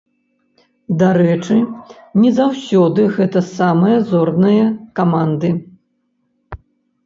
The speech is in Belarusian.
Дарэчы, не заўсёды гэта самыя зорныя каманды.